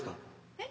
えっ？